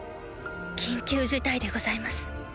緊急事態でございます